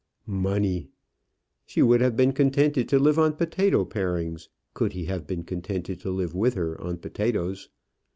Money! She would have been contented to live on potato parings could he have been contented to live with her on potatoes.